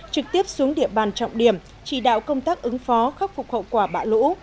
trực tiếp xuống địa bàn trọng điểm chỉ đạo công tác ứng phó khắc phục hậu quả bão lũ